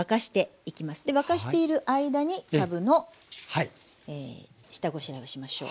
沸かしている間にかぶの下ごしらえをしましょう。